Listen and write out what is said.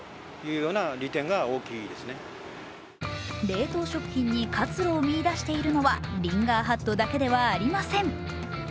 冷凍食品に活路を見いだしているのはリンガーハットだけではありません。